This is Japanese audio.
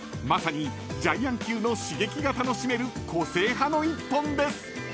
［まさにジャイアン級の刺激が楽しめる個性派の１本です］